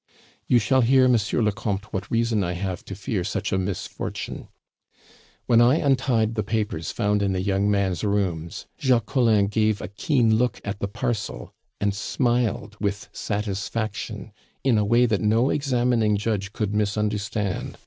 "You shall hear, Monsieur le Comte, what reason I have to fear such a misfortune. When I untied the papers found in the young man's rooms, Jacques Collin gave a keen look at the parcel, and smiled with satisfaction in a way that no examining judge could misunderstand.